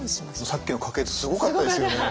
さっきの家系図すごかったですよね。